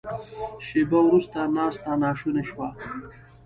شیبه وروسته ناسته ناشونې شوه.